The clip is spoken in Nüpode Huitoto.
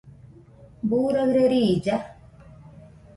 ¿Buu raɨre riilla?